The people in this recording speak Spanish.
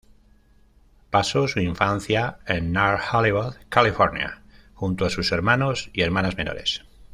Pasó su infancia en North Hollywood, California, junto a sus hermanos y hermanas menores.